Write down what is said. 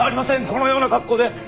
このような格好で。